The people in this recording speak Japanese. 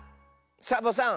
サボさん